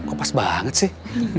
kok pas banget sih